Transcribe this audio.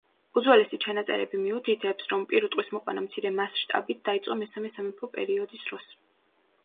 უძველესი ჩანაწერები მიუთითებს, რომ პირუტყვის მოყვანა მცირე მასშტაბით დაიწყო მესამე სამეფო პერიოდის დროს.